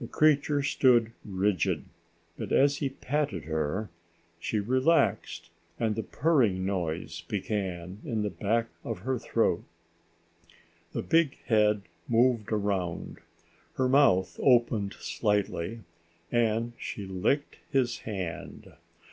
The creature stood rigid. But as he petted her, she relaxed and the purring noise began in the back of her throat. The big head moved around. Her mouth opened slightly and she licked his hand.